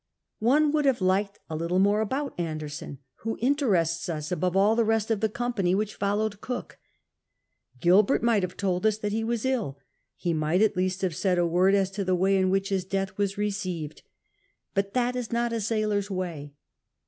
One would have liked a little more about Anderson, who interests us above all the rest of tlie company which followed Cook. Gin>ert might have told us that he was ill : he might at least have said a word as to the way in which his death was received ; but that is not a sailor's way.